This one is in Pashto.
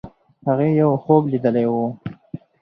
هغې یو خوب لیدلی وو.